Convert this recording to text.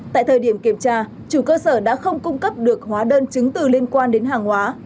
tại thời điểm kiểm tra chủ cơ sở đã không cung cấp được hóa đơn chứng từ liên quan đến hàng hóa